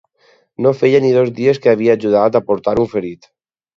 No feia ni dos dies que havia ajudat a portar un ferit